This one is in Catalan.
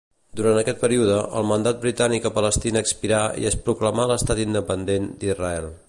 Durant aquest període, el mandat britànic a Palestina expirà i es proclamà l'Estat Independent d'Israel.